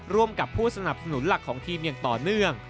ร่วมกับผู้สนับสนุนหลักของทีมอย่างต่อเนื่อง